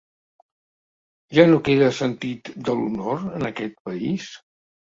Ja no queda sentit de l'honor en aquest país?